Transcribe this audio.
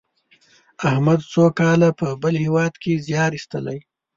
احمد څو کاله په بل هېواد کې زیار ایستلی.